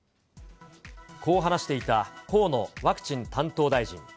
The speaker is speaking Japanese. こう話していた河野ワクチン担当大臣。